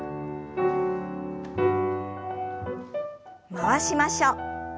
回しましょう。